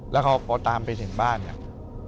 แล้วพอตามไปถึงบ้านเนี่ย